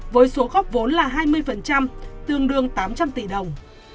với số góp vốn là hai mươi tương đương tám trăm linh tỷ đồng